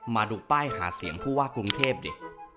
มาดูป้ายหาเสียงผู้ว่ากรุงเทพดิ